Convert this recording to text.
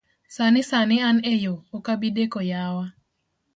Sani sani an eyo, ok abideko yawa.